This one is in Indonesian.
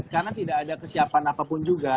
karena tidak ada kesiapan apapun juga